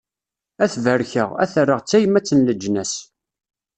Ad t-barkeɣ, Ad t-rreɣ d tayemmat n leǧnas.